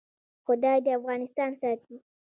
خدای دې افغانستان ساتي؟